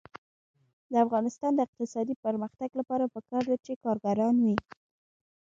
د افغانستان د اقتصادي پرمختګ لپاره پکار ده چې کارګران وي.